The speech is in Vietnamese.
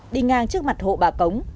đi ngang trước mặt hộ bà cống